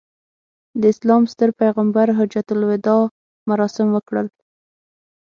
د اسلام ستر پیغمبر حجته الوداع مراسم وکړل.